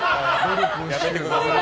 やめてください。